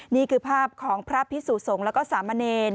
นี่คือภาพของพระพิสุสงฆ์แล้วก็สามเณร